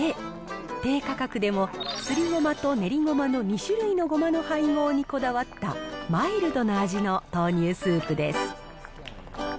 低価格でもすりごまと練りごまの２種類のごまの配合にこだわった、マイルドな味の豆乳スープです。